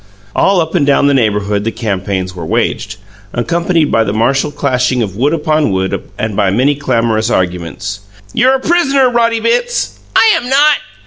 All up and down the neighbourhood the campaigns were waged, accompanied by the martial clashing of wood upon wood and by many clamorous arguments. "You're a pris'ner, Roddy Bitts!" "I am not!"